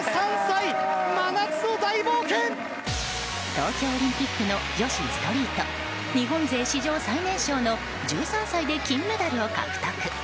東京オリンピックの女子ストリート日本勢史上最年少の１３歳で金メダルを獲得。